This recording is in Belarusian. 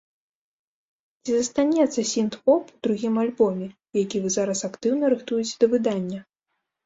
Ці застанецца сінт-поп у другім альбоме, які вы зараз актыўна рыхтуеце да выдання?